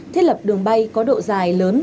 thiết lập đường bay có độ dài lớn